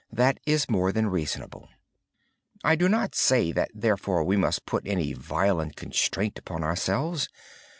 That is more than reasonable. I do not say we must put any violent constraint upon ourselves.